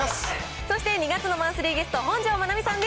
そして２月のマンスリーゲスト、本上ままみさんです。